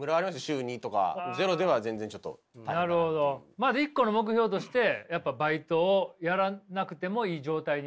まず一個の目標としてバイトをやらなくてもいい状態にはしたいと。